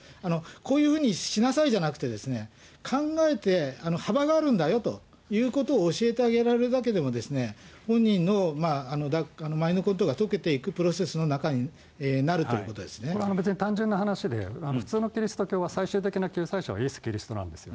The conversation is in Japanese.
こういうふうにしなさいじゃなくて、考えて、幅があるんだよということを教えてあげられるだけでも、本人のマインドコントロールが解けていくプロセスの中になるといこれは別に単純な話で、普通のキリスト教は最終的な救済者はイエス・キリストなんです。